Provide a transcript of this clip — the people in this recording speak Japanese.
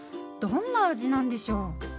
どんな味なんでしょう。